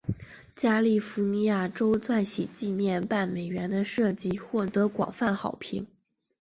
加利福尼亚州钻禧纪念半美元的设计获得广泛好评。